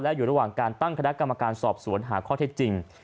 อยู่ระหว่างการตั้งคณะกรรมการสอบสวนหาข้อเท็จจริง